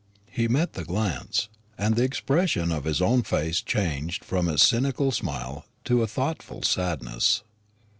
He met the glance, and the expression of his own face changed from its cynical smile to a thoughtful sadness.